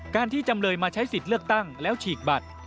ที่จำเลยมาใช้สิทธิ์เลือกตั้งแล้วฉีกบัตร